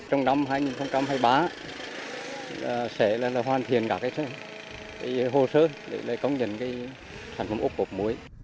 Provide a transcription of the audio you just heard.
trong năm hai nghìn hai mươi ba sẽ hoàn thiện cả cái hồ sơ để công nhận cái sản phẩm ốc cột muối